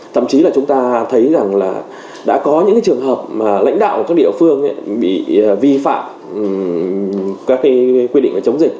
thậm chí là chúng ta thấy rằng là đã có những trường hợp mà lãnh đạo của các địa phương bị vi phạm các quy định về chống dịch